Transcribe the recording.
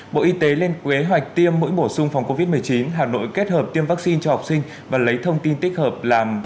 bộ y tế lên kế hoạch tiêm mũi bổ sung phòng covid một mươi chín hà nội kết hợp tiêm vaccine cho học sinh và lấy thông tin tích hợp làm